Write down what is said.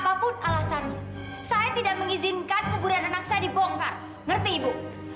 apapun alasannya saya tidak mengizinkan kuburan anak saya dibongkar ngerti ibu